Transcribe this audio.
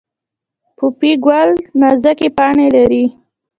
پوپی ګل نازکې پاڼې لري